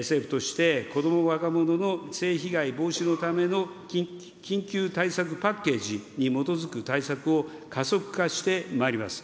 政府として、こども・若者の性被害防止のための緊急対策パッケージに基づく対策を加速化してまいります。